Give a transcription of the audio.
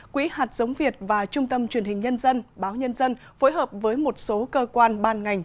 quỹ hạt giống việt và trung tâm truyền hình nhân dân báo nhân dân phối hợp với một số cơ quan ban ngành